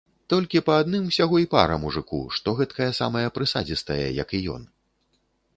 Толькі па адным усяго й пара мужыку, што гэткая самая прысадзістая, як і ён.